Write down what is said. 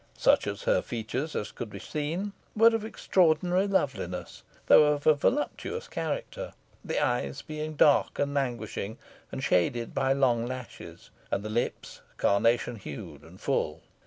Such of her features as could be seen were of extraordinary loveliness, though of a voluptuous character, the eyes being dark and languishing, and shaded by long lashes, and the lips carnation hued and full.